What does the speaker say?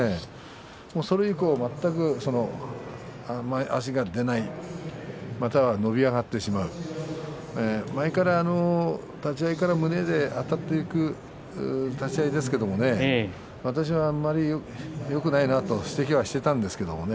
それ以降、全く足が出ない伸び上がってしまう立ち合いから胸であたっていく立ち合いですが私は、あんまりよくないと指摘していました。